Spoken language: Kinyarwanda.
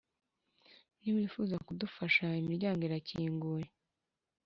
ni wifuza kudufasha imiryango irakinguye